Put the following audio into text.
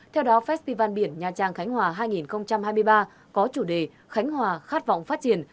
theo đó festival biển nha trang khánh hòa hai nghìn hai mươi ba có chủ đề khánh hòa khát vọng phát triển